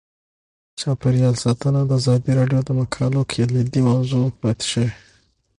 چاپیریال ساتنه د ازادي راډیو د مقالو کلیدي موضوع پاتې شوی.